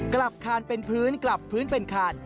คานเป็นพื้นกลับพื้นเป็นคาน